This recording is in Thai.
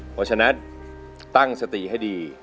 เพราะฉะนั้นตั้งสติให้ดี